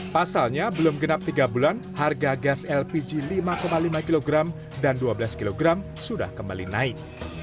pasalnya belum genap tiga bulan harga gas lpg lima lima kg dan dua belas kg sudah kembali naik